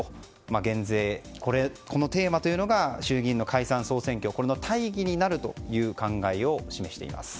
減税、このテーマというのが衆議院の解散・総選挙の大義になるという考えを示しています。